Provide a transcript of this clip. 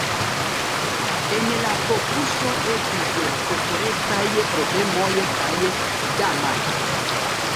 En la fokuso estis la sekurecaj problemoj kaj damaĝoj.